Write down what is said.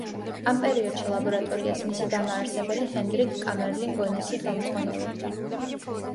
ამ პერიოდში ლაბორატორიას მისი დამაარსებელი ჰენდრიკ კამერლინგ-ონესი ხელმძღვანელობდა.